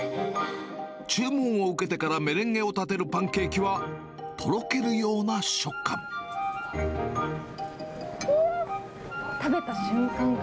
注文を受けてからメレンゲを立てるパンケーキは、とろけるような食感。